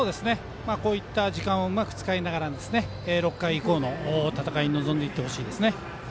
こういった時間をうまく使いながら６回以降の戦いに臨んでいってほしいですね。